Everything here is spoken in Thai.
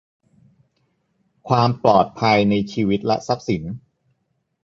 ความปลอดภัยในชีวิตและทรัพย์สิน